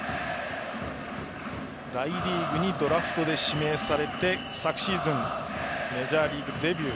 大リーグにドラフトで指名されて昨シーズンメジャーリーグデビュー。